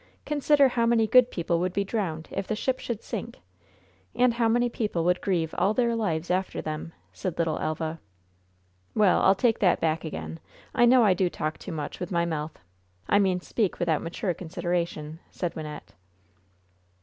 Consider how many good people would be drowned if the ship should sink! And how many people would grieve all their lives after them!" said little Elva. "Well, I'll take that back again! I know I do talk too much with my mouth I mean speak without mature consideration," said Wynnette.